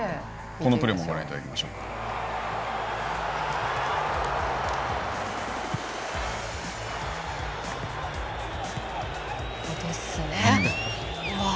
このプレーもご覧いただきましょうか。ですね。